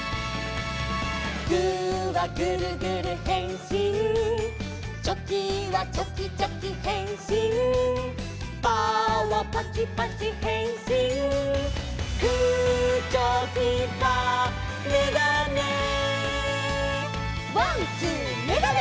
「グーはグルグルへんしん」「チョキはチョキチョキへんしん」「パーはパチパチへんしん」「グーチョキパーめがね」「ワンツーめがね！」